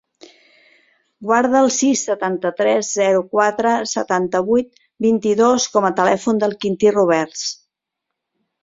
Guarda el sis, setanta-tres, zero, quatre, setanta-vuit, vint-i-dos com a telèfon del Quintí Roberts.